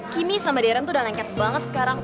kimmy sama deren tuh udah lengket banget sekarang